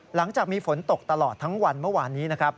หลังจากมีฝนตกตลอดทั้งวันเมื่อวานนี้นะครับ